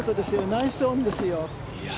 ナイスオンですよ。